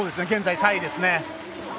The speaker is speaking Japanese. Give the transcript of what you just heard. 現在３位ですね。